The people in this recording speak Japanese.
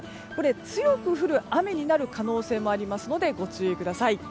強く降る雨になる可能性もありますのでご注意ください。